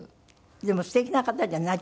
でも素敵な方じゃない？